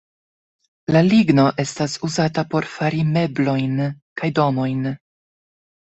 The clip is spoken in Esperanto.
La ligno estas uzata por fari meblojn kaj domojn.